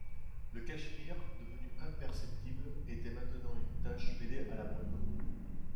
Le Cashmere, devenu imperceptible, était maintenant une tache mêlée à la brume.